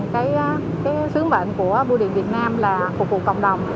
cái sứ mệnh của bưu điện việt nam là phục vụ cộng đồng